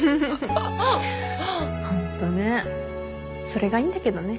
それがいいんだけどね。